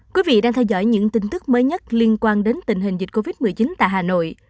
quý vị đang theo dõi những tin tức mới nhất liên quan đến tình hình dịch covid một mươi chín tại hà nội